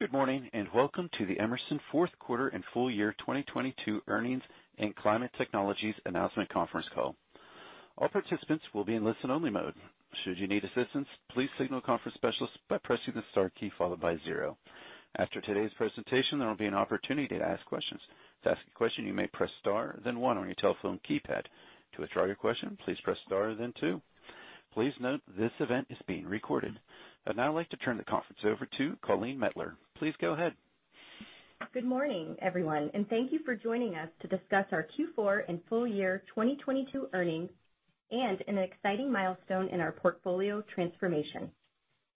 Good morning, and welcome to the Emerson fourth quarter and full year 2022 earnings and climate technologies announcement conference call. All participants will be in listen-only mode. Should you need assistance, please signal the conference specialist by pressing the star key followed by zero. After today's presentation, there will be an opportunity to ask questions. To ask a question, you may press star then one on your telephone keypad. To withdraw your question, please press star then two. Please note this event is being recorded. I'd now like to turn the conference over to Colleen Mettler. Please go ahead. Good morning, everyone, and thank you for joining us to discuss our Q4 and full year 2022 earnings and an exciting milestone in our portfolio transformation.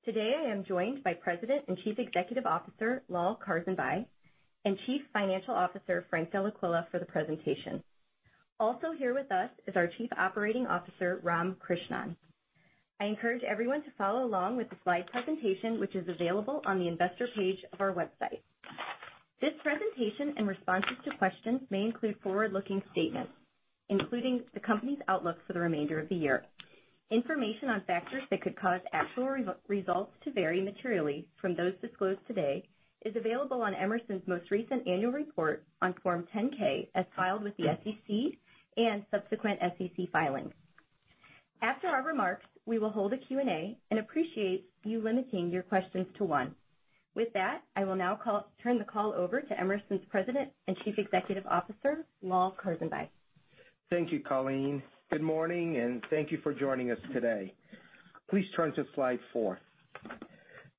Today, I am joined by President and Chief Executive Officer, Lal Karsanbhai, and Chief Financial Officer, Frank Dellaquila, for the presentation. Also here with us is our Chief Operating Officer, Ram Krishnan. I encourage everyone to follow along with the slide presentation, which is available on the investor page of our website. This presentation and responses to questions may include forward-looking statements, including the company's outlook for the remainder of the year. Information on factors that could cause actual results to vary materially from those disclosed today is available on Emerson's most recent annual report on Form 10-K as filed with the SEC and subsequent SEC filings. After our remarks, we will hold a Q&A and appreciate you limiting your questions to one. With that, I will now turn the call over to Emerson's President and Chief Executive Officer, Lal Karsanbhai. Thank you, Colleen. Good morning, and thank you for joining us today. Please turn to slide four.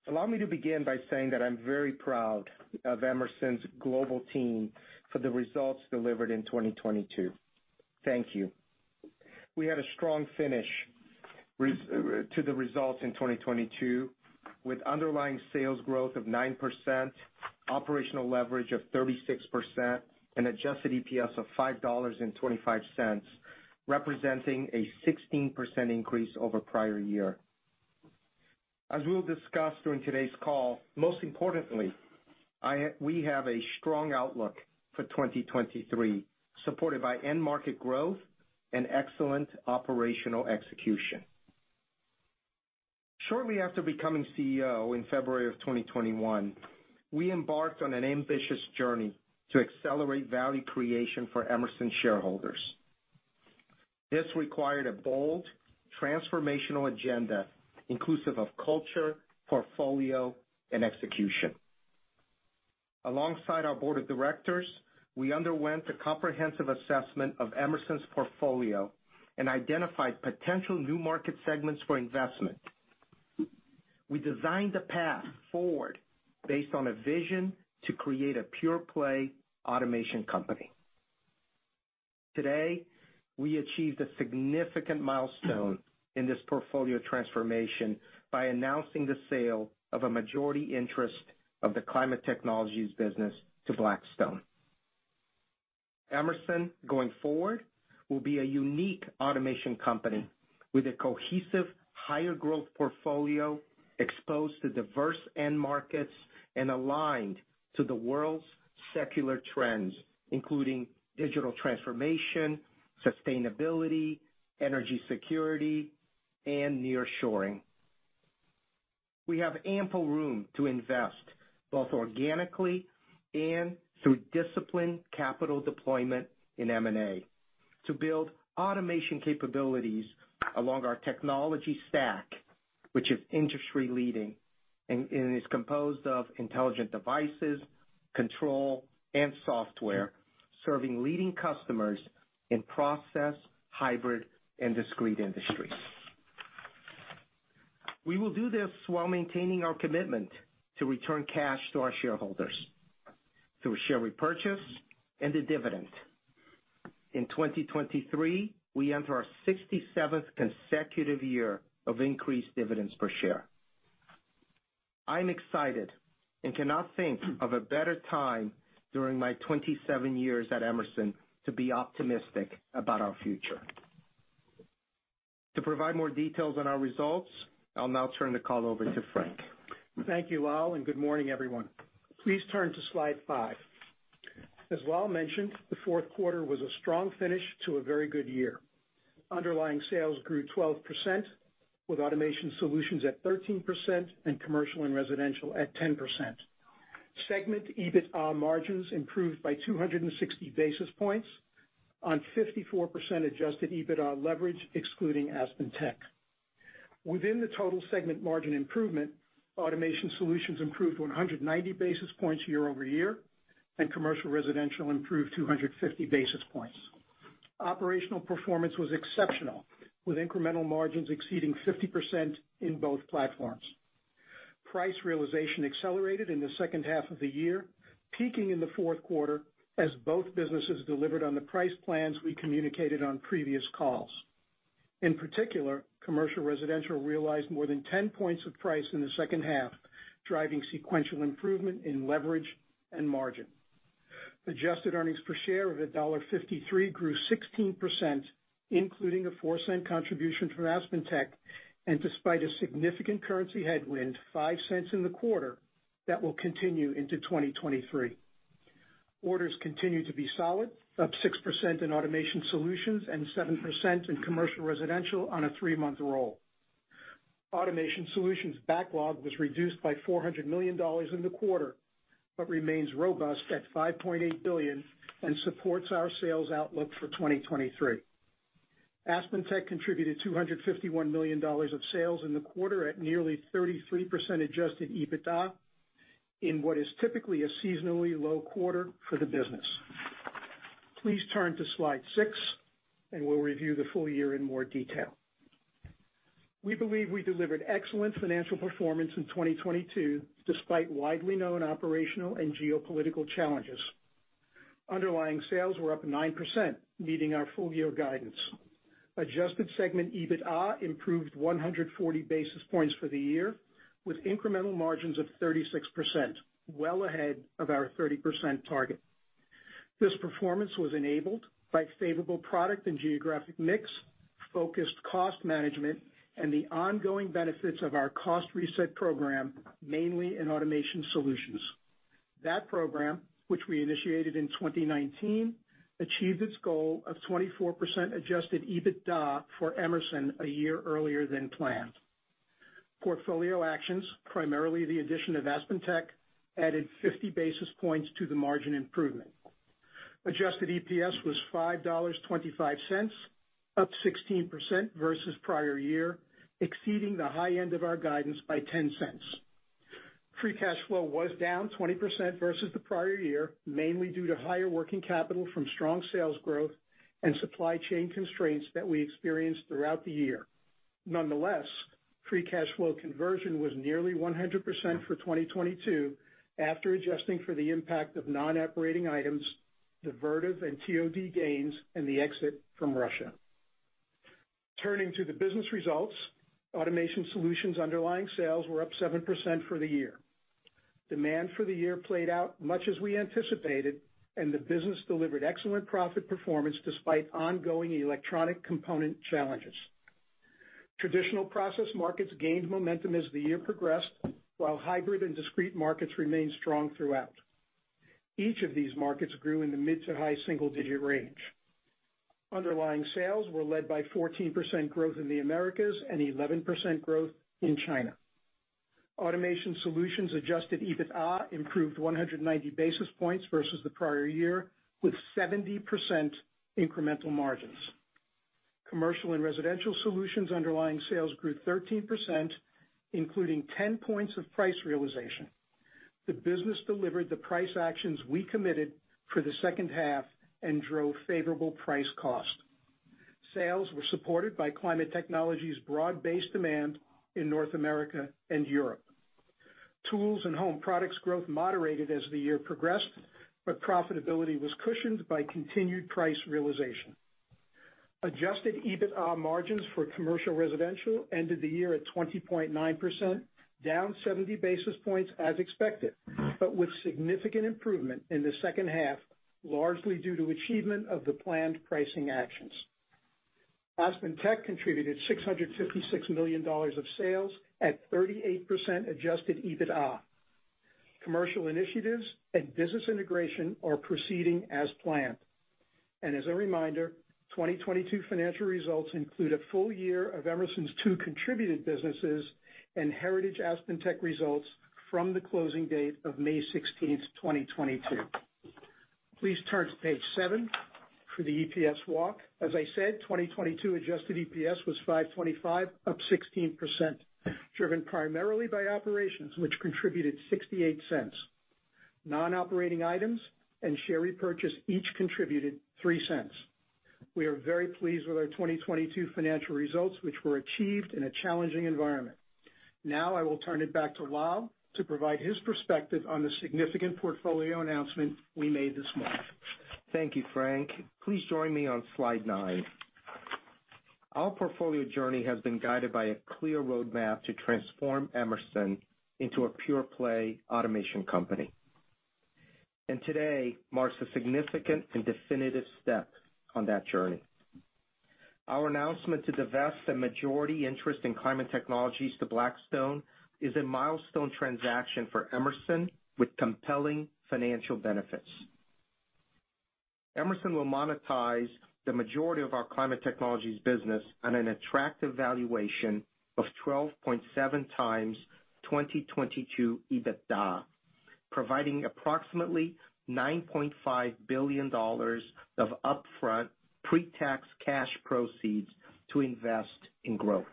Allow me to begin by saying that I'm very proud of Emerson's global team for the results delivered in 2022. Thank you. We had a strong finish to the results in 2022, with underlying sales growth of 9%, operational leverage of 36%, and adjusted EPS of $5.25, representing a 16% increase over prior year. As we'll discuss during today's call, most importantly, we have a strong outlook for 2023, supported by end market growth and excellent operational execution. Shortly after becoming CEO in February of 2021, we embarked on an ambitious journey to accelerate value creation for Emerson shareholders. This required a bold transformational agenda inclusive of culture, portfolio, and execution. Alongside our board of directors, we underwent a comprehensive assessment of Emerson's portfolio and identified potential new market segments for investment. We designed a path forward based on a vision to create a pure play automation company. Today, we achieved a significant milestone in this portfolio transformation by announcing the sale of a majority interest of the Climate Technologies business to Blackstone. Emerson, going forward, will be a unique automation company with a cohesive higher growth portfolio exposed to diverse end markets and aligned to the world's secular trends, including digital transformation, sustainability, energy security, and nearshoring. We have ample room to invest, both organically and through disciplined capital deployment in M&A, to build automation capabilities along our technology stack, which is industry-leading and is composed of intelligent devices, control, and software, serving leading customers in process, hybrid, and discrete industries. We will do this while maintaining our commitment to return cash to our shareholders through share repurchase and a dividend. In 2023, we enter our 67th consecutive year of increased dividends per share. I'm excited and cannot think of a better time during my 27 years at Emerson to be optimistic about our future. To provide more details on our results, I'll now turn the call over to Frank. Thank you, Lal, and good morning, everyone. Please turn to slide five. As Lal mentioned, the fourth quarter was a strong finish to a very good year. Underlying sales grew 12%, with Automation Solutions at 13% and commercial and residential at 10%. Segment EBITA margins improved by 260 basis points on 54% adjusted EBIT leverage, excluding AspenTech. Within the total segment margin improvement, Automation Solutions improved 190 basis points year-over-year, and commercial residential improved 250 basis points. Operational performance was exceptional, with incremental margins exceeding 50% in both platforms. Price realization accelerated in the second half of the year, peaking in the fourth quarter as both businesses delivered on the price plans we communicated on previous calls. In particular, Commercial & Residential realized more than 10 points of price in the second half, driving sequential improvement in leverage and margin. Adjusted earnings per share of $1.53 grew 16%, including a $0.04 contribution from AspenTech, and despite a significant currency headwind, $0.05 in the quarter, that will continue into 2023. Orders continue to be solid, up 6% in Automation Solutions and 7% in Commercial & Residential on a three-month roll. Automation Solutions backlog was reduced by $400 million in the quarter, but remains robust at $5.8 billion and supports our sales outlook for 2023. AspenTech contributed $251 million of sales in the quarter at nerly 33% adjusted EBITA in what is typically a seasonally low quarter for the business. Please turn to slide six, and we'll review the full year in more detail. We believe we delivered excellent financial performance in 2022, despite widely known operational and geopolitical challenges. Underlying sales were up 9%, meeting our full year guidance. Adjusted segment EBITA improved 140 basis points for the year, with incremental margins of 36%, well ahead of our 30% target. This performance was enabled by favorable product and geographic mix, focused cost management, and the ongoing benefits of our cost reset program, mainly in Automation Solutions. That program, which we initiated in 2019, achieved its goal of 24% adjusted EBITDA for Emerson a year earlier than planned. Portfolio actions, primarily the addition of AspenTech, added 50 basis points to the margin improvement. Adjusted EPS was $5.25, up 16% versus prior year, exceeding the high end of our guidance by $0.10. Free cash flow was down 20% versus the prior year, mainly due to higher working capital from strong sales growth and supply chain constraints that we experienced throughout the year. Nonetheless, free cash flow conversion was nearly 100% for 2022 after adjusting for the impact of non-operating items, divestiture and Therm-O-Disc gains, and the exit from Russia. Turning to the business results, Automation Solutions underlying sales were up 7% for the year. Demand for the year played out much as we anticipated, and the business delivered excellent profit performance despite ongoing electronic component challenges. Traditional process markets gained momentum as the year progressed, while hybrid and discrete markets remained strong throughout. Each of these markets grew in the mid- to high-single-digit range. Underlying sales were led by 14% growth in the Americas and 11% growth in China. Automation Solutions adjusted EBITA improved 190 basis points versus the prior year, with 70% incremental margins. Commercial & Residential Solutions underlying sales grew 13%, including 10 points of price realization. The business delivered the price actions we committed for the second half and drove favorable price cost. Sales were supported by Climate Technologies' broad-based demand in North America and Europe. Tools and home products growth moderated as the year progressed, but profitability was cushioned by continued price realization. Adjusted EBITA margins for Commercial & Residential ended the year at 20.9%, down 70 basis points as expected, but with significant improvement in the second half, largely due to achievement of the planned pricing actions. AspenTech contributed $656 million of sales at 38% adjusted EBITA. Commercial initiatives and business integration are proceeding as planned. As a reminder, 2022 financial results include a full year of Emerson's two contributed businesses and heritage AspenTech results from the closing date of May 16, 2022. Please turn to page seven for the EPS walk. As I said, 2022 adjusted EPS was $5.25, up 16%, driven primarily by operations which contributed $0.68. Non-operating items and share repurchase each contributed $0.03. We are very pleased with our 2022 financial results, which were achieved in a challenging environment. Now I will turn it back to Lal to provide his perspective on the significant portfolio announcement we made this month. Thank you, Frank. Please join me on slide nine. Our portfolio journey has been guided by a clear roadmap to transform Emerson into a pure play automation company. Today marks a significant and definitive step on that journey. Our announcement to divest a majority interest in Climate Technologies to Blackstone is a milestone transaction for Emerson with compelling financial benefits. Emerson will monetize the majority of our Climate Technologies business on an attractive valuation of 12.7x 2022 EBITDA, providing approximately $9.5 billion of upfront pre-tax cash proceeds to invest in growth.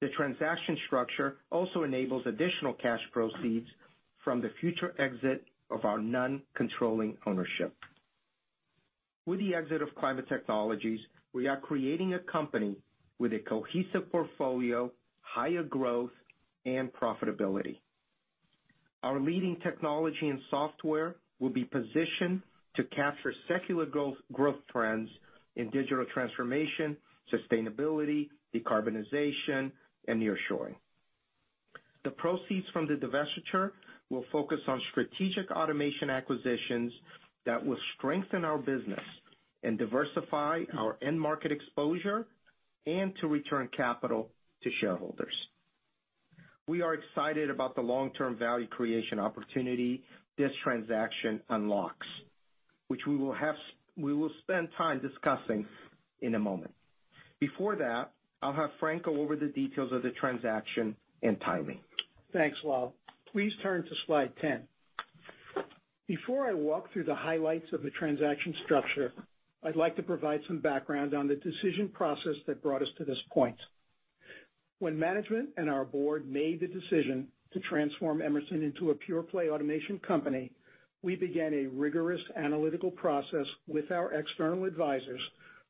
The transaction structure also enables additional cash proceeds from the future exit of our non-controlling ownership. With the exit of Climate Technologies, we are creating a company with a cohesive portfolio, higher growth, and profitability. Our leading technology and software will be positioned to capture secular growth trends in digital transformation, sustainability, decarbonization, and nearshoring. The proceeds from the divestiture will focus on strategic automation acquisitions that will strengthen our business and diversify our end market exposure and to return capital to shareholders. We are excited about the long-term value creation opportunity this transaction unlocks, which we will spend time discussing in a moment. Before that, I'll have Frank go over the details of the transaction and timing. Thanks, Lal. Please turn to slide 10. Before I walk through the highlights of the transaction structure, I'd like to provide some background on the decision process that brought us to this point. When management and our board made the decision to transform Emerson into a pure-play automation company, we began a rigorous analytical process with our external advisors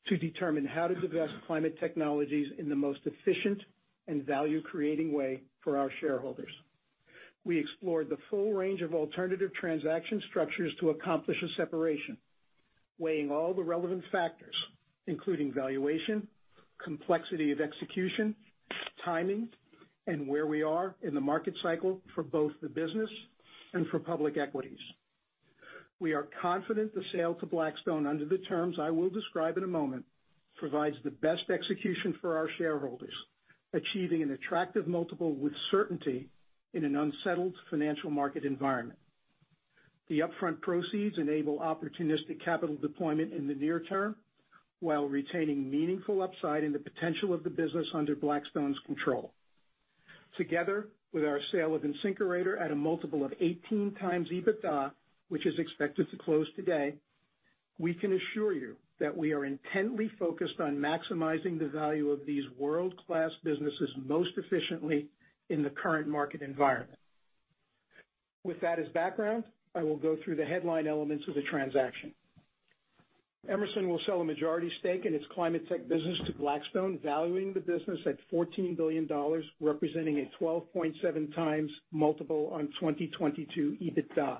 to determine how to divest Climate Technologies in the most efficient and value-creating way for our shareholders. We explored the full range of alternative transaction structures to accomplish a separation, weighing all the relevant factors, including valuation, complexity of execution, timing, and where we are in the market cycle for both the business and for public equities. We are confident the sale to Blackstone under the terms I will describe in a moment provides the best execution for our shareholders, achieving an attractive multiple with certainty in an unsettled financial market environment. The upfront proceeds enable opportunistic capital deployment in the near term, while retaining meaningful upside in the potential of the business under Blackstone's control. Together with our sale of InSinkErator at a multiple of 18x EBITDA, which is expected to close today, we can assure you that we are intently focused on maximizing the value of these world-class businesses most efficiently in the current market environment. With that as background, I will go through the headline elements of the transaction. Emerson will sell a majority stake in its climate tech business to Blackstone, valuing the business at $14 billion, representing a 12.7x multiple on 2022 EBITDA.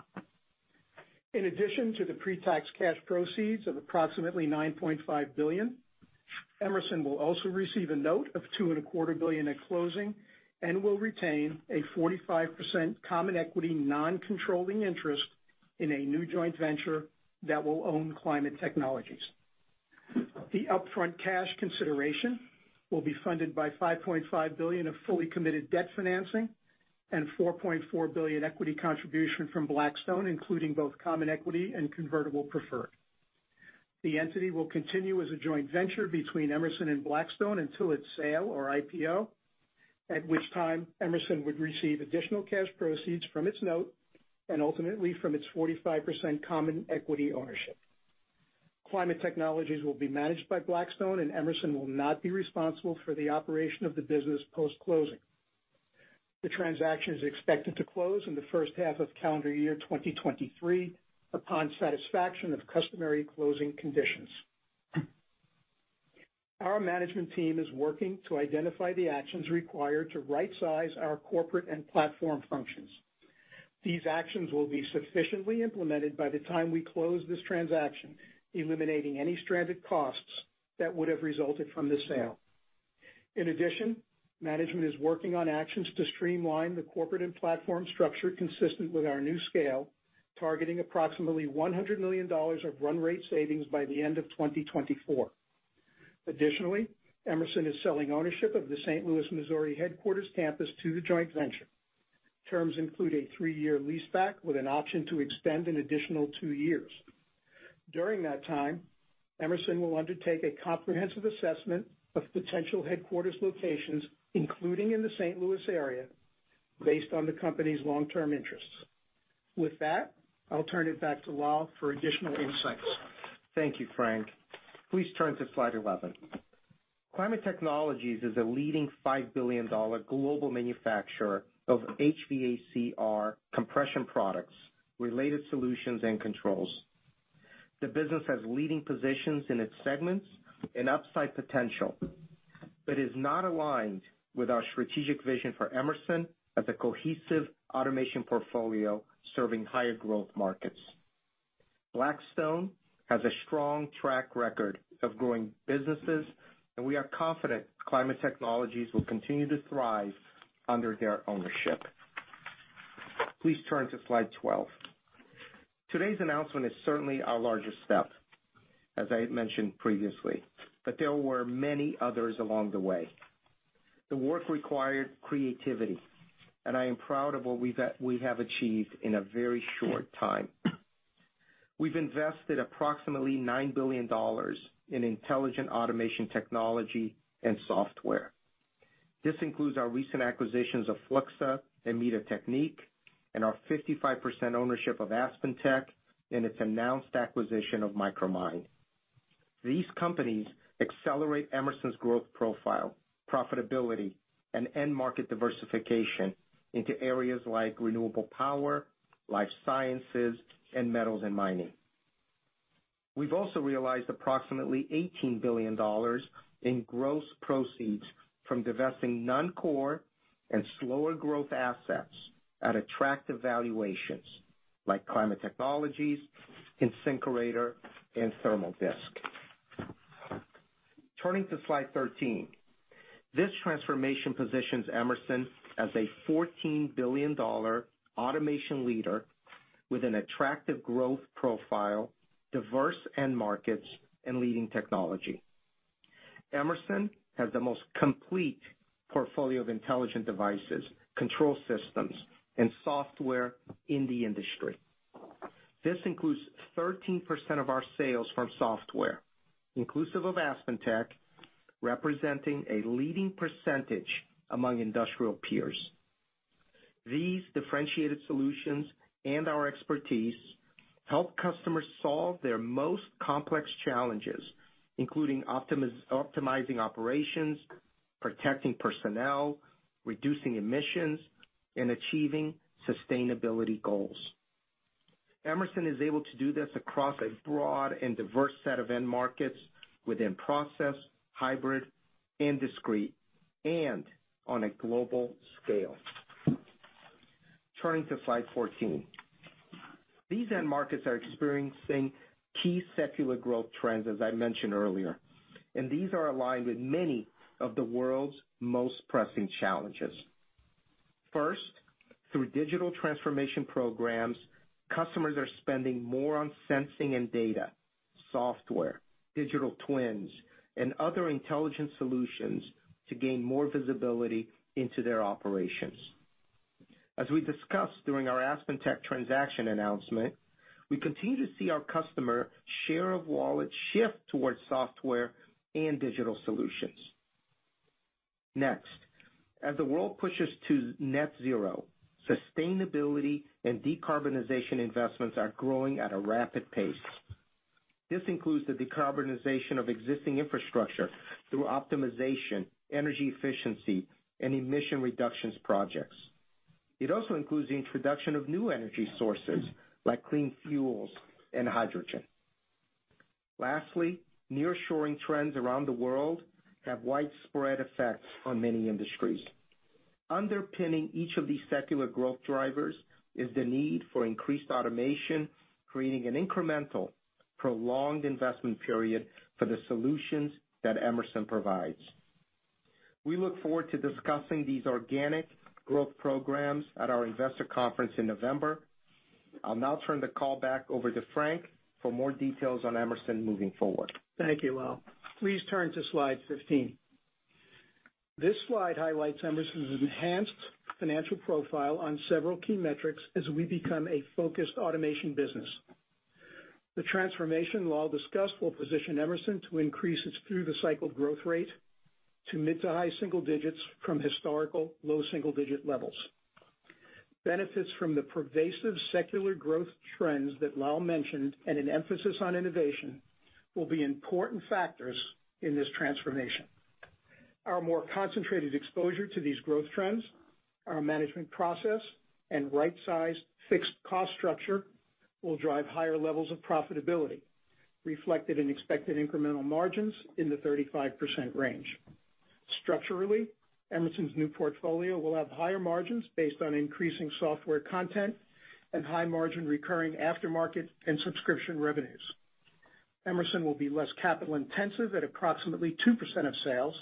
In addition to the pre-tax cash proceeds of approximately $9.5 billion, Emerson will also receive a note of $2.25 billion at closing and will retain a 45% common equity non-controlling interest in a new joint venture that will own Climate Technologies. The upfront cash consideration will be funded by $5.5 billion of fully committed debt financing and $4.4 billion equity contribution from Blackstone, including both common equity and convertible preferred. The entity will continue as a joint venture between Emerson and Blackstone until its sale or IPO, at which time Emerson would receive additional cash proceeds from its note and ultimately from its 45% common equity ownership. Climate Technologies will be managed by Blackstone, and Emerson will not be responsible for the operation of the business post-closing. The transaction is expected to close in the first half of calendar year 2023 upon satisfaction of customary closing conditions. Our management team is working to identify the actions required to rightsize our corporate and platform functions. These actions will be sufficiently implemented by the time we close this transaction, eliminating any stranded costs that would have resulted from the sale. In addition, management is working on actions to streamline the corporate and platform structure consistent with our new scale, targeting approximately $100 million of run rate savings by the end of 2024. Additionally, Emerson is selling ownership of the St. Louis, Missouri headquarters campus to the joint venture. Terms include a three-year leaseback with an option to extend an additional two years. During that time, Emerson will undertake a comprehensive assessment of potential headquarters locations, including in the St. Louis area, based on the company's long-term interests. With that, I'll turn it back to Lal for additional insights. Thank you, Frank. Please turn to slide 11. Climate Technologies is a leading $5 billion global manufacturer of HVACR compression products, related solutions, and controls. The business has leading positions in its segments and upside potential but is not aligned with our strategic vision for Emerson as a cohesive automation portfolio serving higher growth markets. Blackstone has a strong track record of growing businesses, and we are confident Climate Technologies will continue to thrive under their ownership. Please turn to slide 12. Today's announcement is certainly our largest step, as I had mentioned previously, but there were many others along the way. The work required creativity, and I am proud of what we have achieved in a very short time. We've invested approximately $9 billion in intelligent automation technology and software. This includes our recent acquisitions of Fluxa and Mita-Teknik and our 55% ownership of AspenTech and its announced acquisition of Micromine. These companies accelerate Emerson's growth profile, profitability, and end market diversification into areas like renewable power, life sciences, and metals and mining. We've also realized approximately $18 billion in gross proceeds from divesting non-core and slower growth assets at attractive valuations, like Climate Technologies, InSinkErator, and Therm-O-Disc. Turning to slide 13, this transformation positions Emerson as a $14 billion automation leader with an attractive growth profile, diverse end markets, and leading technology. Emerson has the most complete portfolio of intelligent devices, control systems, and software in the industry. This includes 13% of our sales from software, inclusive of AspenTech, representing a leading percentage among industrial peers. These differentiated solutions and our expertise help customers solve their most complex challenges, including optimizing operations, protecting personnel, reducing emissions, and achieving sustainability goals. Emerson is able to do this across a broad and diverse set of end markets within process, hybrid, and discrete, and on a global scale. Turning to slide 14. These end markets are experiencing key secular growth trends, as I mentioned earlier, and these are aligned with many of the world's most pressing challenges. First, through digital transformation programs, customers are spending more on sensing and data, software, digital twins, and other intelligent solutions to gain more visibility into their operations. As we discussed during our AspenTech transaction announcement, we continue to see our customer share of wallet shift towards software and digital solutions. Next, as the world pushes to net zero, sustainability and decarbonization investments are growing at a rapid pace. This includes the decarbonization of existing infrastructure through optimization, energy efficiency, and emission reductions projects. It also includes the introduction of new energy sources like clean fuels and hydrogen. Lastly, nearshoring trends around the world have widespread effects on many industries. Underpinning each of these secular growth drivers is the need for increased automation, creating an incremental, prolonged investment period for the solutions that Emerson provides. We look forward to discussing these organic growth programs at our investor conference in November. I'll now turn the call back over to Frank for more details on Emerson moving forward. Thank you, Lal. Please turn to slide 15. This slide highlights Emerson's enhanced financial profile on several key metrics as we become a focused automation business. The transformation Lal discussed will position Emerson to increase its through-the-cycle growth rate to mid- to high-single-digits from historical low-single-digit levels. Benefits from the pervasive secular growth trends that Lal mentioned, and an emphasis on innovation, will be important factors in this transformation. Our more concentrated exposure to these growth trends, our management process, and right-sized fixed cost structure will drive higher levels of profitability, reflected in expected incremental margins in the 35% range. Structurally, Emerson's new portfolio will have higher margins based on increasing software content and high-margin recurring aftermarket and subscription revenues. Emerson will be less capital intensive at approximately 2% of sales,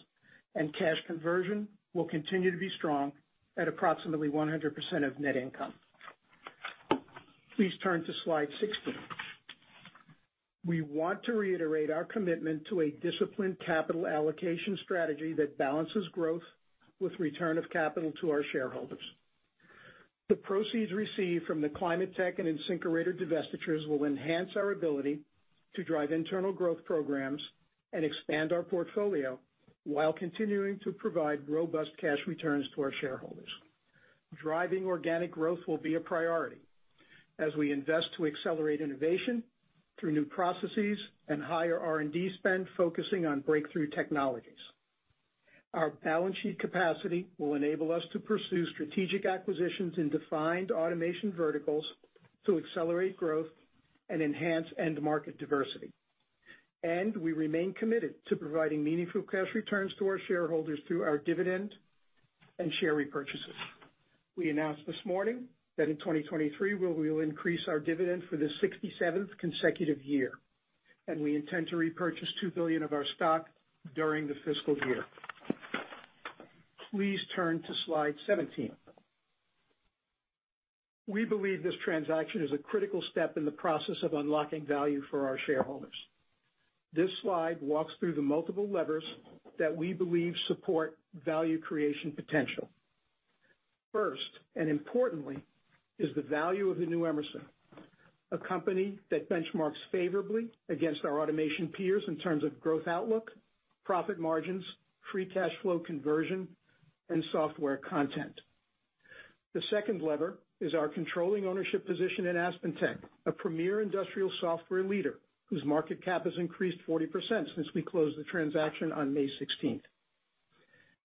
and cash conversion will continue to be strong at approximately 100% of net income. Please turn to slide 16. We want to reiterate our commitment to a disciplined capital allocation strategy that balances growth with return of capital to our shareholders. The proceeds received from the Climate Technologies and InSinkErator divestitures will enhance our ability to drive internal growth programs and expand our portfolio while continuing to provide robust cash returns to our shareholders. Driving organic growth will be a priority as we invest to accelerate innovation through new processes and higher R&D spend, focusing on breakthrough technologies. Our balance sheet capacity will enable us to pursue strategic acquisitions in defined automation verticals to accelerate growth and enhance end market diversity. We remain committed to providing meaningful cash returns to our shareholders through our dividend and share repurchases. We announced this morning that in 2023 we will increase our dividend for the 67th consecutive year, and we intend to repurchase $2 billion of our stock during the fiscal year. Please turn to slide 17. We believe this transaction is a critical step in the process of unlocking value for our shareholders. This slide walks through the multiple levers that we believe support value creation potential. First, and importantly, is the value of the new Emerson, a company that benchmarks favorably against our automation peers in terms of growth outlook, profit margins, free cash flow conversion, and software content. The second lever is our controlling ownership position at AspenTech, a premier industrial software leader whose market cap has increased 40% since we closed the transaction on May 16.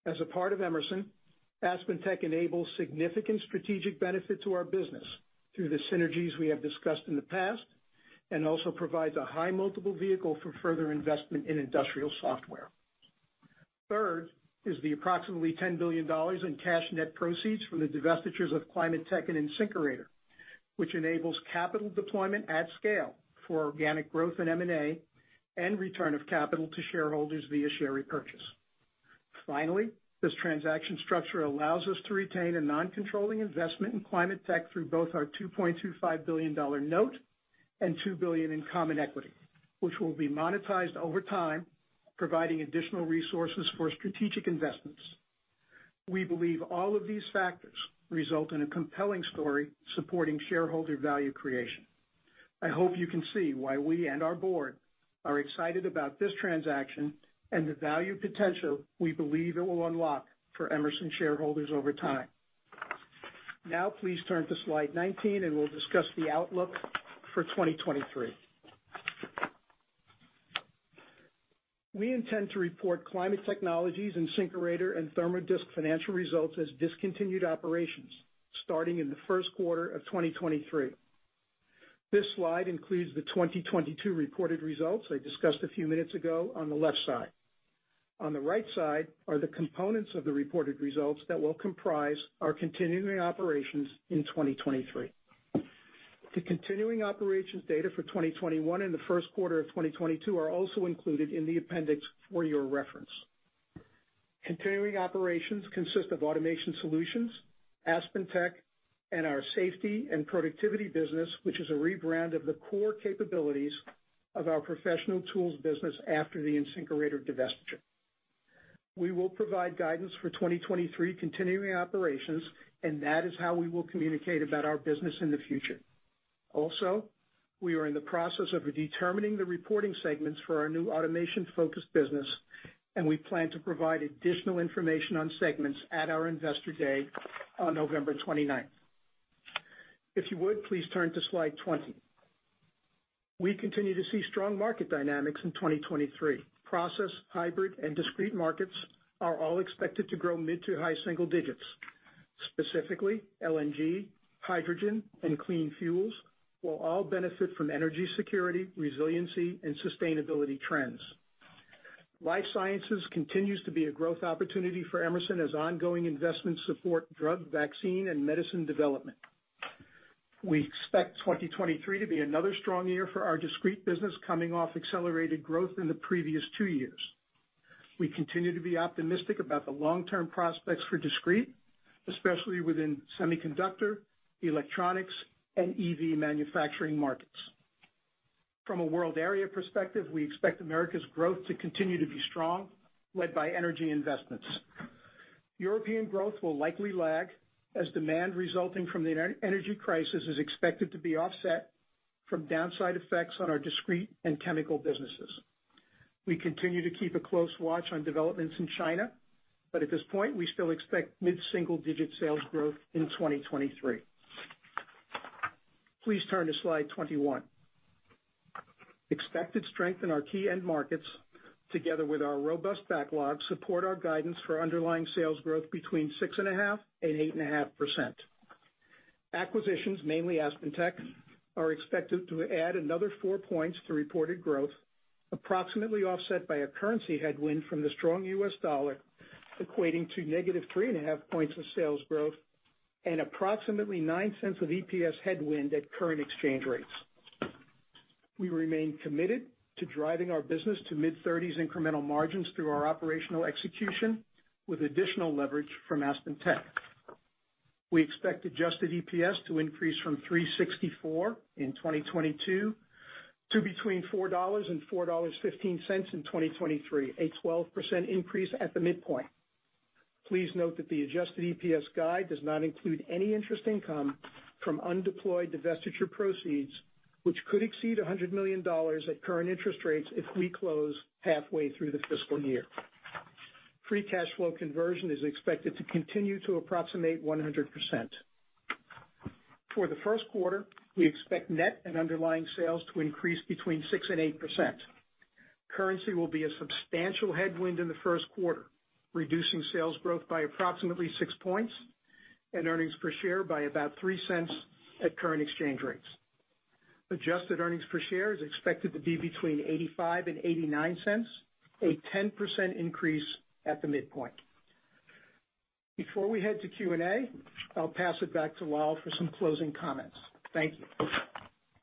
As a part of Emerson, AspenTech enables significant strategic benefit to our business through the synergies we have discussed in the past, and also provides a high multiple vehicle for further investment in industrial software. Third is the approximately $10 billion in cash net proceeds from the divestitures of Climate Technologies and InSinkErator, which enables capital deployment at scale for organic growth in M&A and return of capital to shareholders via share repurchase. Finally, this transaction structure allows us to retain a non-controlling investment in Climate Technologies through both our $2.25 billion note and $2 billion in common equity, which will be monetized over time, providing additional resources for strategic investments. We believe all of these factors result in a compelling story supporting shareholder value creation. I hope you can see why we and our board are excited about this transaction and the value potential we believe it will unlock for Emerson shareholders over time. Now please turn to slide 19, and we'll discuss the outlook for 2023. We intend to report Climate Technologies and InSinkErator and Therm-O-Disc financial results as discontinued operations starting in the first quarter of 2023. This slide includes the 2022 reported results I discussed a few minutes ago on the left side. On the right side are the components of the reported results that will comprise our continuing operations in 2023. The continuing operations data for 2021 and the first quarter of 2022 are also included in the appendix for your reference. Continuing operations consist of Automation Solutions, AspenTech, and our Safety and Productivity business, which is a rebrand of the core capabilities of our professional tools business after the InSinkErator divestiture. We will provide guidance for 2023 continuing operations, and that is how we will communicate about our business in the future. Also, we are in the process of determining the reporting segments for our new automation-focused business, and we plan to provide additional information on segments at our Investor Day on November 29th. If you would, please turn to slide 20. We continue to see strong market dynamics in 2023. Process, hybrid, and discrete markets are all expected to grow mid to high single digits. Specifically, LNG, hydrogen, and clean fuels will all benefit from energy security, resiliency, and sustainability trends. Life sciences continues to be a growth opportunity for Emerson as ongoing investments support drug, vaccine, and medicine development. We expect 2023 to be another strong year for our discrete business coming off accelerated growth in the previous two years. We continue to be optimistic about the long-term prospects for discrete, especially within semiconductor, electronics, and EV manufacturing markets. From a world area perspective, we expect America's growth to continue to be strong, led by energy investments. European growth will likely lag as demand resulting from the energy crisis is expected to be offset from downside effects on our discrete and chemical businesses. We continue to keep a close watch on developments in China, but at this point, we still expect mid-single digit sales growth in 2023. Please turn to slide 21. Expected strength in our key end markets, together with our robust backlog, support our guidance for underlying sales growth between 6.5% and 8.5%. Acquisitions, mainly AspenTech, are expected to add another 4 points to reported growth, approximately offset by a currency headwind from the strong U.S. dollar, equating to -3.5 points of sales growth and approximately $0.09 of EPS headwind at current exchange rates. We remain committed to driving our business to mid-30s incremental margins through our operational execution with additional leverage from AspenTech. We expect adjusted EPS to increase from $3.64 in 2022 to between $4 and $4.15 in 2023, a 12% increase at the midpoint. Please note that the adjusted EPS guide does not include any interest income from undeployed divestiture proceeds, which could exceed $100 million at current interest rates if we close halfway through the fiscal year. Free cash flow conversion is expected to continue to approximate 100%. For the first quarter, we expect net and underlying sales to increase between 6% and 8%. Currency will be a substantial headwind in the first quarter, reducing sales growth by approximately 6 points and earnings per share by about $0.03 at current exchange rates. Adjusted earnings per share is expected to be between $0.85 and $0.89, a 10% increase at the midpoint. Before we head to Q&A, I'll pass it back to Lal for some closing comments. Thank you.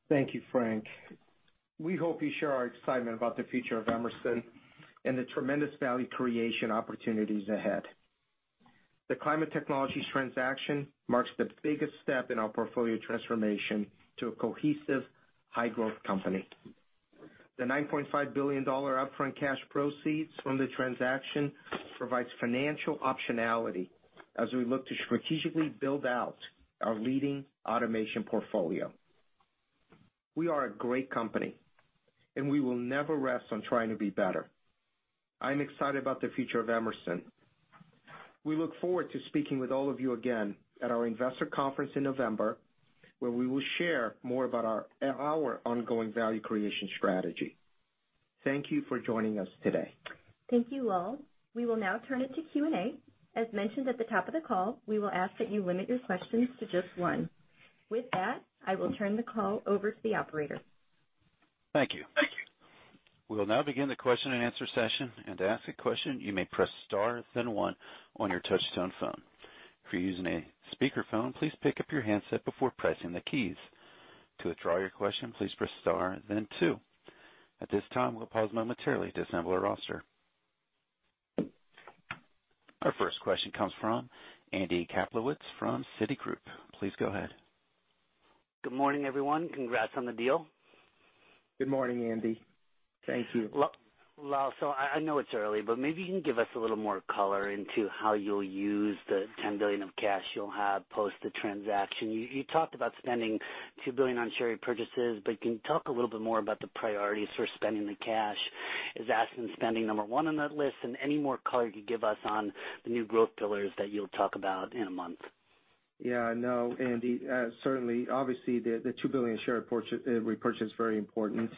Thank you, Frank. We hope you share our excitement about the future of Emerson and the tremendous value creation opportunities ahead. The Climate Technologies transaction marks the biggest step in our portfolio transformation to a cohesive, high-growth company. The $9.5 billion upfront cash proceeds from the transaction provides financial optionality as we look to strategically build out our leading automation portfolio. We are a great company, and we will never rest on trying to be better. I'm excited about the future of Emerson. We look forward to speaking with all of you again at our Investor Conference in November, where we will share more about our ongoing value creation strategy. Thank you for joining us today. Thank you, Lal. We will now turn it to Q&A. As mentioned at the top of the call, we will ask that you limit your questions to just one. With that, I will turn the call over to the operator. Thank you. We will now begin the question-and-answer session. To ask a question, you may press star then one on your touchtone phone. If you're using a speakerphone, please pick up your handset before pressing the keys. To withdraw your question, please press star then two. At this time, we'll pause momentarily to assemble our roster. Our first question comes from Andy Kaplowitz from Citigroup. Please go ahead. Good morning, everyone. Congrats on the deal. Good morning, Andy. Thank you. Lal, I know it's early, but maybe you can give us a little more color into how you'll use the $10 billion of cash you'll have post the transaction. You talked about spending $2 billion on share purchases, but can you talk a little bit more about the priorities for spending the cash? Is AspenTech spending number one on that list? And any more color you could give us on the new growth pillars that you'll talk about in a month? Yeah, no, Andy, certainly. Obviously, the $2 billion share repurchase is very important,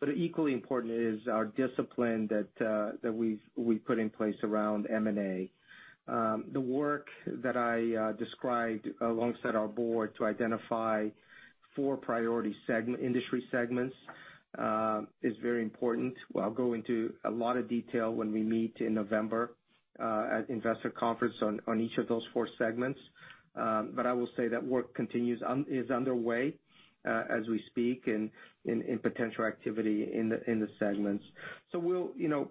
but equally important is our discipline that we've put in place around M&A. The work that I described alongside our board to identify four priority industry segments is very important. I'll go into a lot of detail when we meet in November at Investor Conference on each of those four segments. But I will say that work is underway as we speak in potential activity in the segments. You know,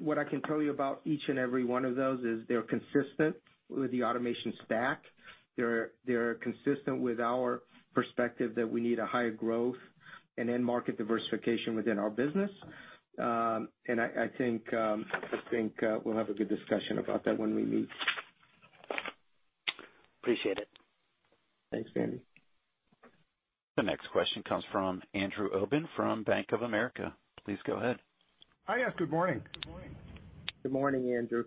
what I can tell you about each and every one of those is they're consistent with the automation stack. They're consistent with our perspective that we need a higher growth and end market diversification within our business. I think we'll have a good discussion about that when we meet. Appreciate it. Thanks, Andy. The next question comes from Andrew Obin from Bank of America. Please go ahead. Hi. Yes, good morning. Good morning, Andrew.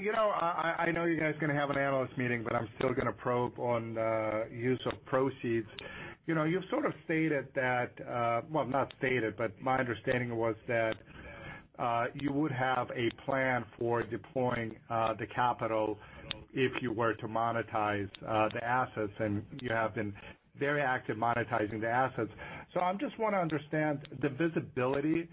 You know, I know you guys are gonna have an analyst meeting, but I'm still gonna probe on use of proceeds. You know, you've sort of stated that, well, not stated, but my understanding was that you would have a plan for deploying the capital if you were to monetize the assets, and you have been very active monetizing the assets. I just wanna understand the visibility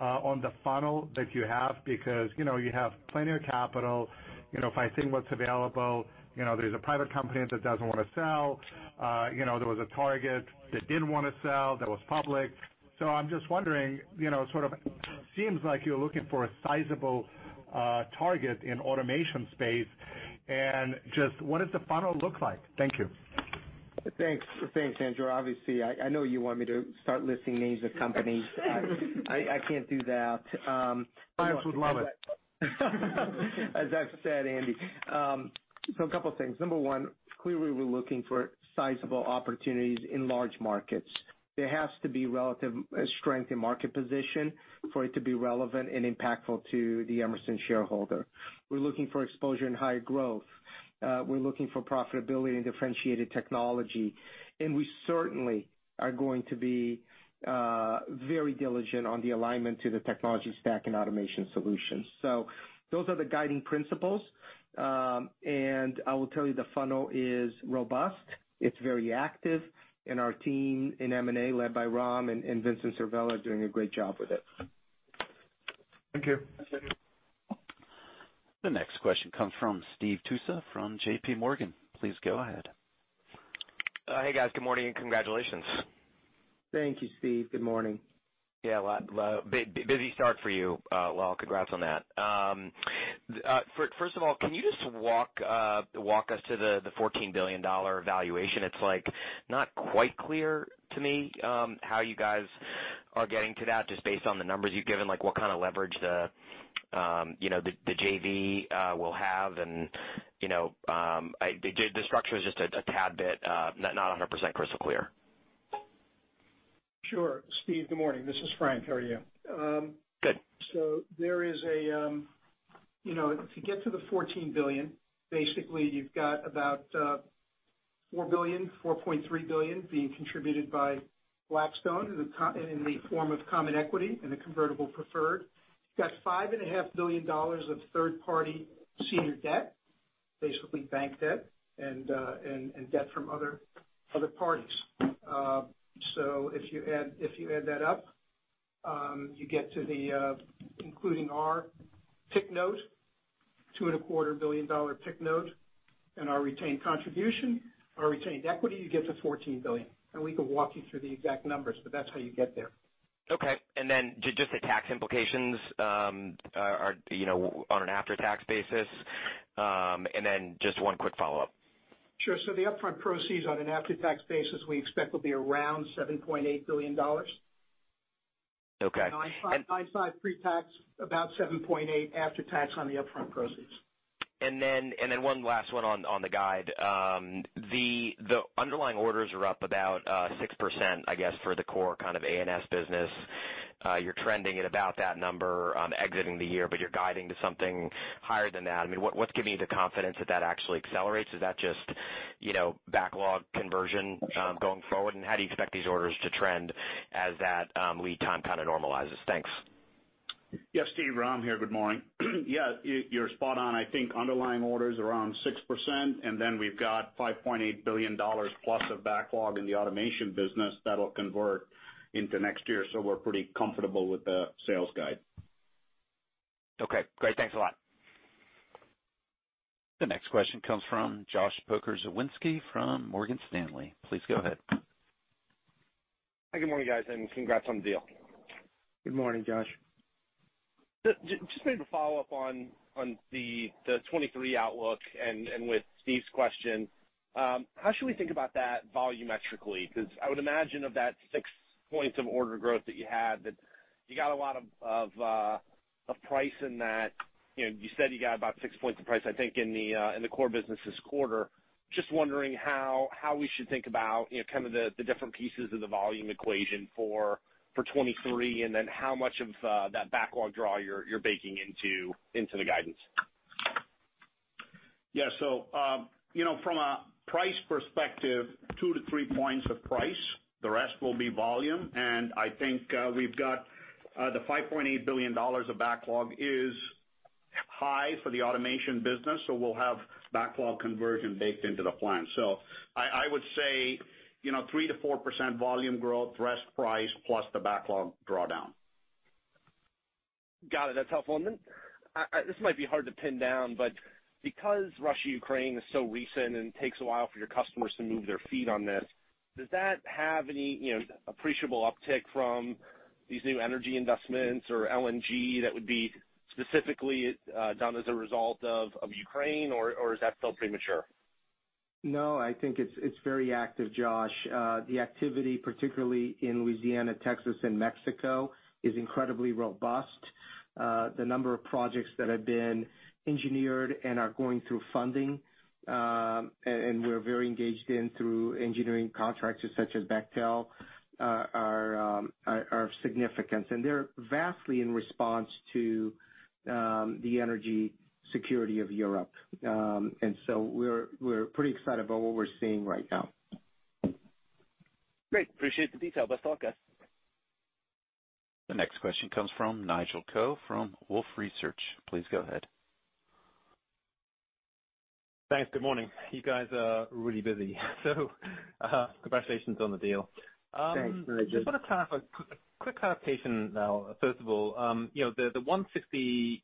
on the funnel that you have because, you know, you have plenty of capital. You know, if I think what's available, you know, there's a private company that doesn't wanna sell. You know, there was a target that didn't wanna sell that was public. I'm just wondering, you know, sort of seems like you're looking for a sizable target in automation space and just what does the funnel look like? Thank you. Thanks. Thanks, Andrew. Obviously, I know you want me to start listing names of companies. I can't do that. Clients would love it. As I've said, Andy. A couple things. Number one, clearly we're looking for sizable opportunities in large markets. There has to be relative strength in market position for it to be relevant and impactful to the Emerson shareholder. We're looking for exposure and higher growth. We're looking for profitability and differentiated technology, and we certainly are going to be very diligent on the alignment to the technology stack and Automation Solutions. Those are the guiding principles. I will tell you, the funnel is robust, it's very active, and our team in M&A, led by Ram and Vincent Servello, are doing a great job with it. Thank you. The next question comes from Steve Tusa from JPMorgan. Please go ahead. Hey, guys. Good morning and congratulations. Thank you, Steve. Good morning. Yeah. Lal busy start for you, Lal. Congrats on that. First of all, can you just walk us to the $14 billion valuation? It's like not quite clear to me how you guys are getting to that, just based on the numbers you've given, like what kind of leverage, you know, the JV will have and you know the structure is just a tad bit not 100% crystal clear. Sure. Steve, good morning. This is Frank. How are you? Good. There is to get to the $14 billion, basically you've got about $4 billion, $4.3 billion being contributed by Blackstone in the form of common equity and convertible preferred. You've got $5.5 billion of third-party senior debt, basically bank debt and debt from other parties. If you add that up, you get to, including our PIK note, $2.25 billion PIK note and our retained contribution, our retained equity, $14 billion. We can walk you through the exact numbers, but that's how you get there. Okay. Just the tax implications are, you know, on an after-tax basis, and then just one quick follow-up. Sure. The upfront proceeds on an after-tax basis we expect will be around $7.8 billion. Okay. $9.5 pre-tax, about $7.8 after tax on the upfront proceeds. One last one on the guide. The underlying orders are up about 6%, I guess, for the core kind of ANS business. You're trending at about that number exiting the year, but you're guiding to something higher than that. I mean, what's giving you the confidence that that actually accelerates? Is that just, you know, backlog conversion going forward? How do you expect these orders to trend as that lead time kind of normalizes? Thanks. Yes, Steve. Ram here. Good morning. Yeah, you're spot on. I think underlying orders around 6%, and then we've got $5.8 billion+ of backlog in the automation business that'll convert into next year, so we're pretty comfortable with the sales guide. Okay, great. Thanks a lot. The next question comes from Josh Pokrzywinski from Morgan Stanley. Please go ahead. Hi, good morning, guys, and congrats on the deal. Good morning, Josh. Just maybe to follow up on the 2023 outlook and with Steve's question, how should we think about that volumetrically? Because I would imagine of that 6 points of organic growth that you had, that you got a lot of price in that. You know, you said you got about 6 points of price, I think, in the core business this quarter. Just wondering how we should think about, you know, kind of the different pieces of the volume equation for 2023, and then how much of that backlog draw you're baking into the guidance. Yeah. You know, from a price perspective, 2 points-3 points of price, the rest will be volume. I think we've got the $5.8 billion of backlog is high for the automation business, so we'll have backlog conversion baked into the plan. I would say, you know, 3%-4% volume growth, rest price, plus the backlog drawdown. Got it. That's helpful. This might be hard to pin down, but because Russia-Ukraine is so recent and takes a while for your customers to move their feet on this, does that have any, you know, appreciable uptick from these new energy investments or LNG that would be specifically done as a result of Ukraine, or is that still premature? No, I think it's very active, Josh. The activity, particularly in Louisiana, Texas, and Mexico, is incredibly robust. The number of projects that have been engineered and are going through funding, and we're very engaged in through engineering contractors such as Bechtel, are significant. They're vastly in response to the energy security of Europe. We're pretty excited about what we're seeing right now. Great. Appreciate the detail. Best talk, guys. The next question comes from Nigel Coe from Wolfe Research. Please go ahead. Thanks. Good morning. You guys are really busy. Congratulations on the deal. Thanks, Nigel. Just want to clarify, quick clarification now, first of all. You know, the 160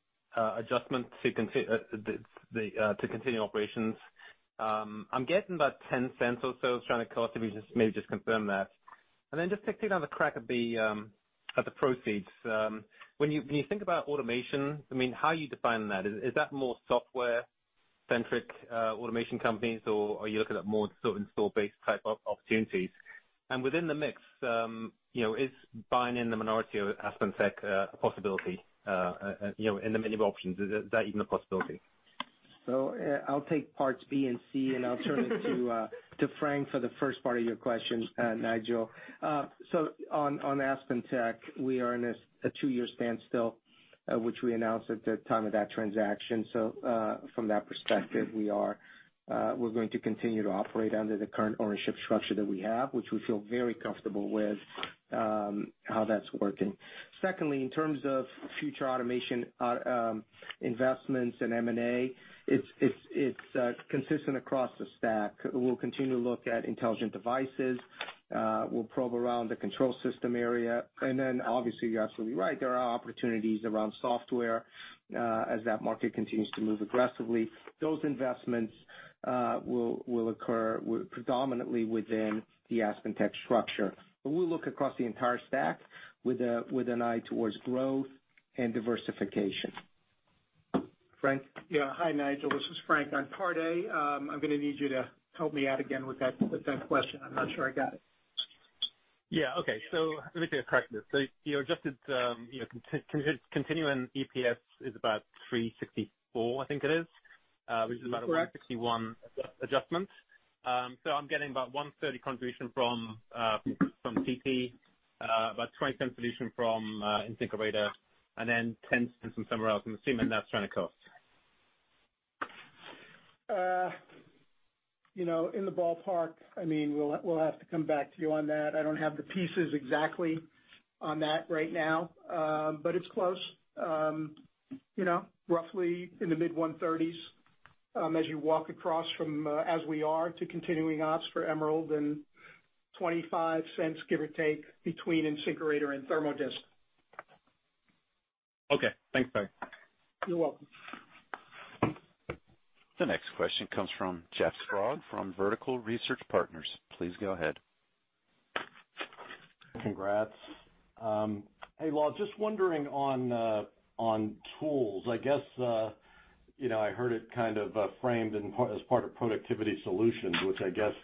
adjustment to continuing operations, I'm getting about $0.10 or so of stranded cost. If you maybe just confirm that. Then just to take another crack at the proceeds. When you think about automation, I mean, how are you defining that? Is that more software-centric automation companies, or are you looking at more sort of install-based type opportunities? Within the mix, you know, is buying in the minority of AspenTech a possibility? You know, in the menu of options, is that even a possibility? I'll take parts B and C, and I'll turn it to Frank for the first part of your question, Nigel. On AspenTech, we are in this a two-year standstill, which we announced at the time of that transaction. From that perspective, we're going to continue to operate under the current ownership structure that we have, which we feel very comfortable with how that's working. Secondly, in terms of future automation investments and M&A, it's consistent across the stack. We'll continue to look at intelligent devices. We'll probe around the control system area. Then obviously, you're absolutely right, there are opportunities around software as that market continues to move aggressively. Those investments will occur predominantly within the AspenTech structure. We'll look across the entire stack with an eye towards growth and diversification. Frank? Hi, Nigel, this is Frank. On part A, I'm gonna need you to help me out again with that question. I'm not sure I got it. Yeah. Okay. Let me see if I can correct this. The adjusted, you know, continuing EPS is about $3.64, I think it is. That's correct. Which is about a $0.61 adjustment. I'm getting about $1.30 contribution from CT, about $0.20 solution from InSinkErator, and then $0.10 from somewhere else. I'm assuming that's Therm-O-Disc. You know, in the ballpark. I mean, we'll have to come back to you on that. I don't have the pieces exactly on that right now. But it's close. You know, roughly in the mid-$1.30s, as you walk across from as reported to continuing ops for Emerson and $0.25, give or take, between InSinkErator and Therm-O-Disc. Okay. Thanks, Frank. You're welcome. The next question comes from Jeff Sprague from Vertical Research Partners. Please go ahead. Congrats. Hey, Lal, just wondering on tools. I guess you know, I heard it kind of framed in part as part of productivity solutions, which I guess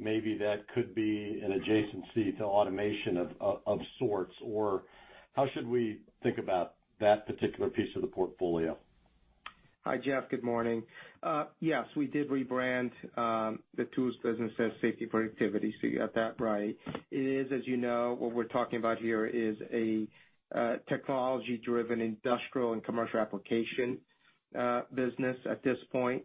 maybe that could be an adjacency to automation of sorts. Or how should we think about that particular piece of the portfolio? Hi, Jeff. Good morning. Yes, we did rebrand the tools business as Safety Productivity, so you got that right. It is, as you know, what we're talking about here is a technology-driven industrial and commercial application business at this point.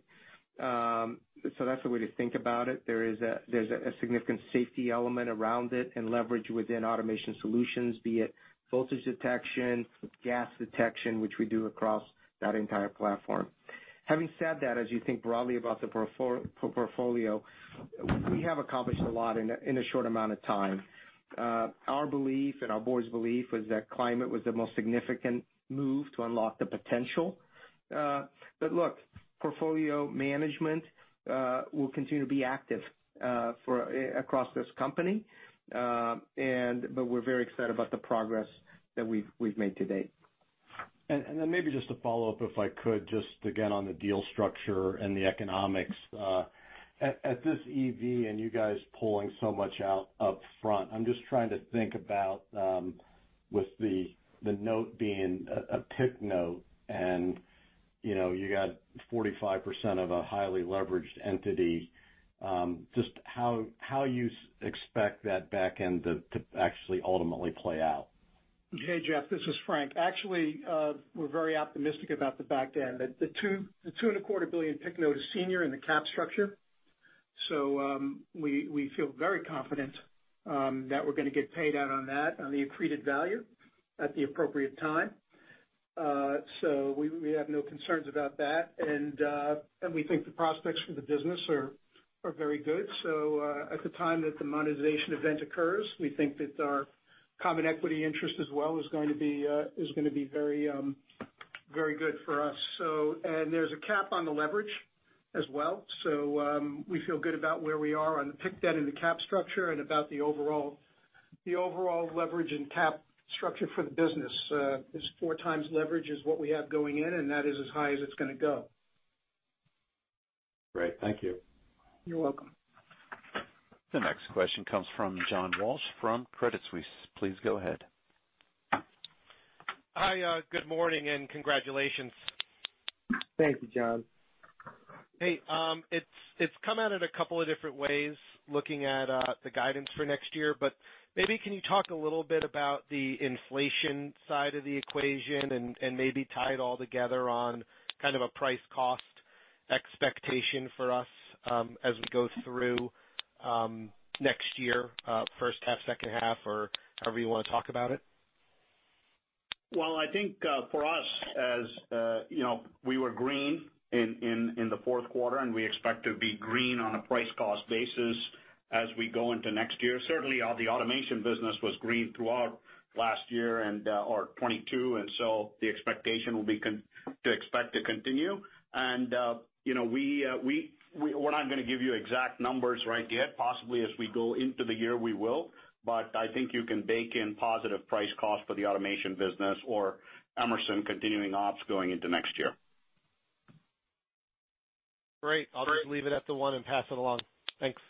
So that's the way to think about it. There's a significant safety element around it and leverage within Automation Solutions, be it voltage detection, gas detection, which we do across that entire platform. Having said that, as you think broadly about the portfolio, we have accomplished a lot in a short amount of time. Our belief and our board's belief was that Climate was the most significant move to unlock the potential. Look, portfolio management will continue to be active across this company. We're very excited about the progress that we've made to date. Then maybe just to follow up, if I could, just again on the deal structure and the economics. At this EV and you guys pulling so much out upfront, I'm just trying to think about, with the note being a PIK note, and you know, you got 45% of a highly leveraged entity, just how you expect that back end to actually ultimately play out. Hey, Jeff, this is Frank. Actually, we're very optimistic about the back end. The 2.25 billion PIK note is senior in the capital structure. We feel very confident that we're gonna get paid out on that, on the accreted value at the appropriate time. We have no concerns about that. We think the prospects for the business are very good. At the time that the monetization event occurs, we think that our common equity interest as well is going to be very good for us. There's a cap on the leverage as well. We feel good about where we are on the PIK debt and the cap structure and about the overall leverage and cap structure for the business. This 4x leverage is what we have going in, and that is as high as it's gonna go. Great. Thank you. You're welcome. The next question comes from John Walsh from Credit Suisse. Please go ahead. Hi, good morning and congratulations. Thank you, John. Hey, it's come out in a couple of different ways looking at the guidance for next year, but maybe can you talk a little bit about the inflation side of the equation and maybe tie it all together on kind of a price cost expectation for us as we go through next year first half, second half or however you wanna talk about it? Well, I think for us, as you know, we were green in the fourth quarter, and we expect to be green on a price-cost basis as we go into next year. Certainly all the automation business was green throughout last year or 2022, and the expectation will be to continue. You know, we're not gonna give you exact numbers right yet. Possibly as we go into the year, we will. I think you can bake in positive price-cost for the automation business or Emerson continuing ops going into next year. Great. I'll just leave it at the one and pass it along. Thanks.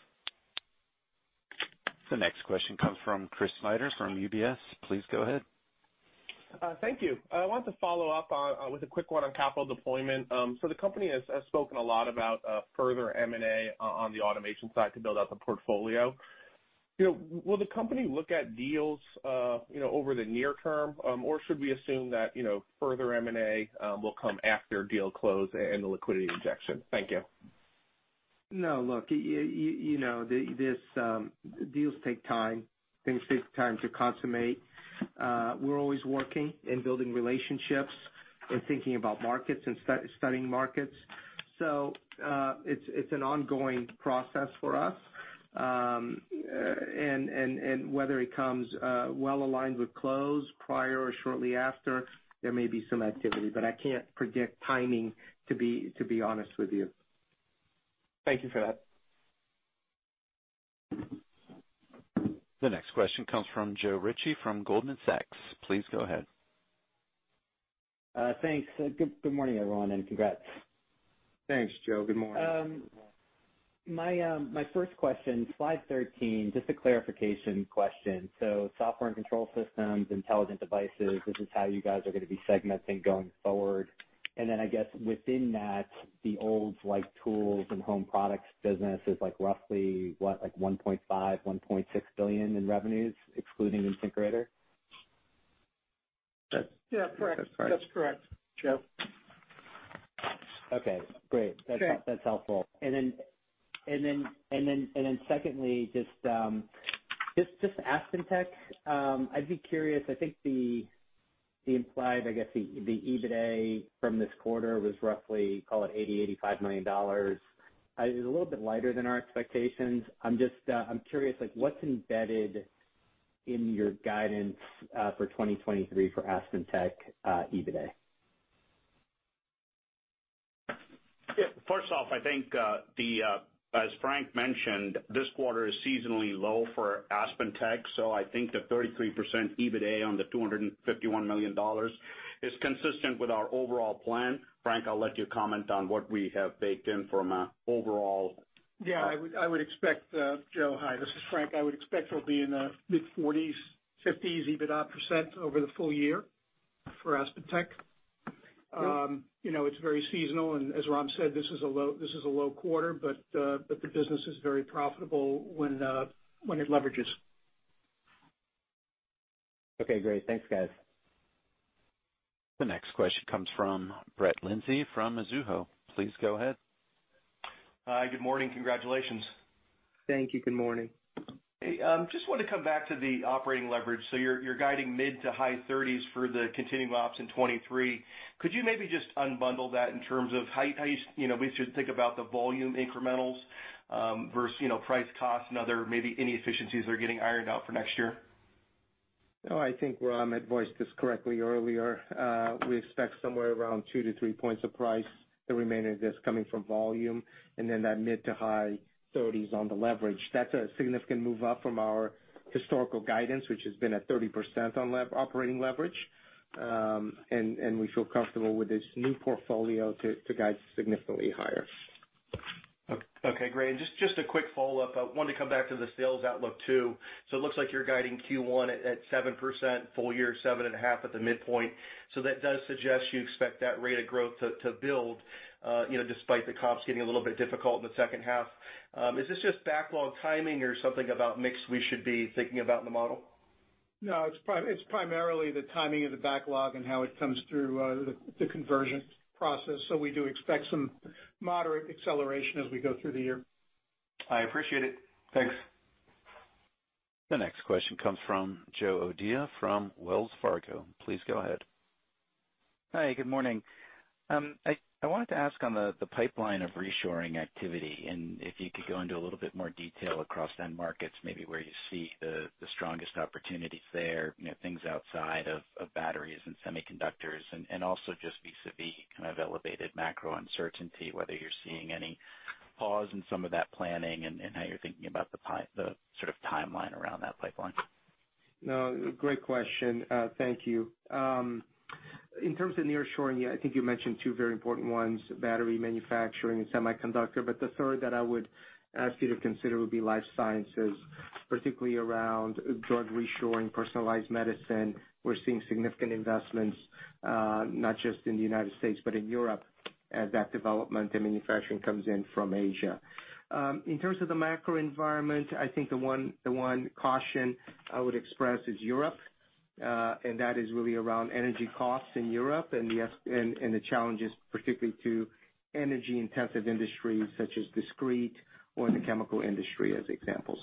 The next question comes from Chris Snyder from UBS. Please go ahead. Thank you. I want to follow up on with a quick one on capital deployment. The company has spoken a lot about further M&A on the automation side to build out the portfolio. You know, will the company look at deals, you know, over the near term, or should we assume that, you know, further M&A will come after deal close and the liquidity injection? Thank you. No, look, you know, deals take time. Things take time to consummate. We're always working and building relationships and thinking about markets and studying markets. It's an ongoing process for us. And whether it comes well aligned with close, prior or shortly after, there may be some activity, but I can't predict timing, to be honest with you. Thank you for that. The next question comes from Joe Ritchie from Goldman Sachs. Please go ahead. Thanks. Good morning, everyone, and congrats. Thanks, Joe. Good morning. My first question, slide 13, just a clarification question. Software and control systems, intelligent devices, this is how you guys are gonna be segmenting going forward. I guess within that, the old like tools and home products business is like roughly what, like $1.5 billion-$1.6 billion in revenues, excluding the InSinkErator? That's- Yeah. Correct. That's right. That's correct, Joe. Okay. Great. Sure. That's helpful. Second, just AspenTech, I'd be curious. I think the implied, I guess, the EBITA from this quarter was roughly, call it $85 million. It's a little bit lighter than our expectations. I'm curious, like what's embedded in your guidance for 2023 for AspenTech, EBITA? Yeah. First off, I think, as Frank mentioned, this quarter is seasonally low for AspenTech, so I think the 33% EBITA on the $251 million is consistent with our overall plan. Frank, I'll let you comment on what we have baked in from an overall. I would expect, Joe. Hi, this is Frank. I would expect we'll be in the mid-40s, 50s EBITA percent over the full year for AspenTech. You know, it's very seasonal, and as Ram said, this is a low quarter, but the business is very profitable when it leverages. Okay, great. Thanks, guys. The next question comes from Brett Linzey from Mizuho. Please go ahead. Hi, good morning. Congratulations. Thank you. Good morning. Hey, just wanted to come back to the operating leverage. You're guiding mid- to high-30s for the continuing ops in 2023. Could you maybe just unbundle that in terms of how you know, we should think about the volume incrementals versus, you know, price costs and other maybe any efficiencies that are getting ironed out for next year? No, I think Ram voiced this correctly earlier. We expect somewhere around 2 points-3 points of price, the remainder of this coming from volume, and then that mid- to high-30s on the leverage. That's a significant move up from our historical guidance, which has been at 30% on operating leverage. We feel comfortable with this new portfolio to guide significantly higher. Okay, great. Just a quick follow-up. I wanted to come back to the sales outlook too. It looks like you're guiding Q1 at 7%, full year 7.5% at the midpoint. That does suggest you expect that rate of growth to build, you know, despite the comps getting a little bit difficult in the second half. Is this just backlog timing or something about mix we should be thinking about in the model? No, it's primarily the timing of the backlog and how it comes through, the conversion process. We do expect some moderate acceleration as we go through the year. I appreciate it. Thanks. The next question comes from Joe O'Dea from Wells Fargo. Please go ahead. Hi, good morning. I wanted to ask on the pipeline of reshoring activity, and if you could go into a little bit more detail across end markets, maybe where you see the strongest opportunities there, you know, things outside of batteries and semiconductors, and also just vis-a-vis kind of elevated macro uncertainty, whether you're seeing any pause in some of that planning, and how you're thinking about the sort of timeline around that pipeline. No, great question. Thank you. In terms of nearshoring, yeah, I think you mentioned two very important ones, battery manufacturing and semiconductor, but the third that I would ask you to consider would be life sciences, particularly around drug reshoring, personalized medicine. We're seeing significant investments, not just in the United States, but in Europe, as that development and manufacturing comes in from Asia. In terms of the macro environment, I think the one caution I would express is Europe, and that is really around energy costs in Europe and the challenges particularly to energy-intensive industries such as discrete or in the chemical industry as examples.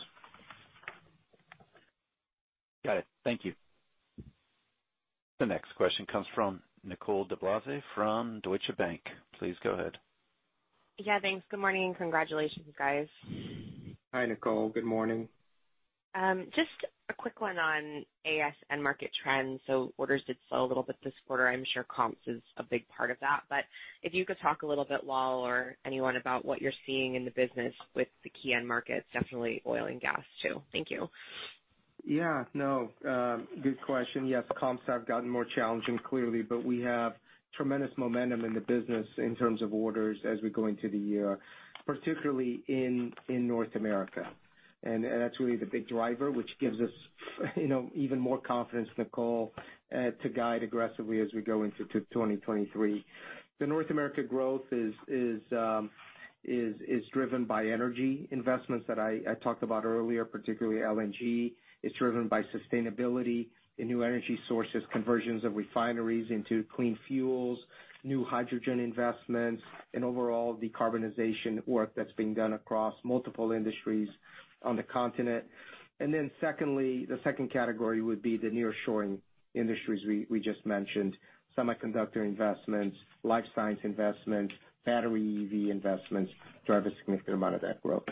Got it. Thank you. The next question comes from Nicole DeBlase from Deutsche Bank. Please go ahead. Yeah, thanks. Good morning. Congratulations, guys. Hi, Nicole. Good morning. Just a quick one on AS end market trends. Orders did slow a little bit this quarter. I'm sure comps is a big part of that, but if you could talk a little bit, Lal, or anyone, about what you're seeing in the business with the key end markets, definitely oil and gas too. Thank you. Yeah. No, good question. Yes, comps have gotten more challenging, clearly, but we have tremendous momentum in the business in terms of orders as we go into the year, particularly in North America. That's really the big driver, which gives us, you know, even more confidence, Nicole, to guide aggressively as we go into 2023. The North America growth is driven by energy investments that I talked about earlier, particularly LNG. It's driven by sustainability and new energy sources, conversions of refineries into clean fuels, new hydrogen investments, and overall decarbonization work that's being done across multiple industries on the continent. Then secondly, the second category would be the nearshoring industries we just mentioned. Semiconductor investments, life science investments, battery EV investments drive a significant amount of that growth.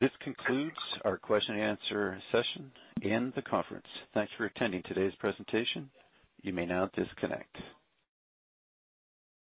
This concludes our question-and-answer session and the conference. Thanks for attending today's presentation. You may now disconnect.